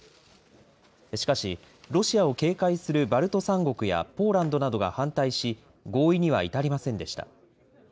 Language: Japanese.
しかし、ロシアを警戒するバルト３国やポーランドなどが反対し、合意には至りませんでした。